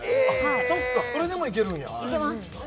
そっかそれでもいけるんやいけます